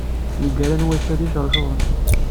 Lgerra n wass-a d icercuren.